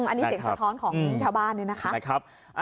อันนี้เสียงสะท้อนของชาวบ้านเนี่ยนะคะ